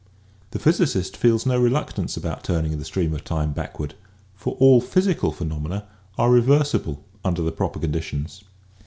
* The physicist feels no reluctance about turning the stream of time backward for all physical phenomena are reversible under the proper conditions.